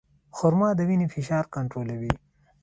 خرما د وینې فشار کنټرولوي.